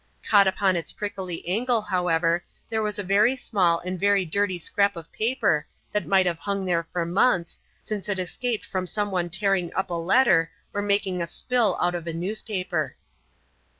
Caught upon its prickly angle, however, there was a very small and very dirty scrap of paper that might have hung there for months, since it escaped from someone tearing up a letter or making a spill out of a newspaper.